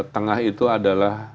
tengah itu adalah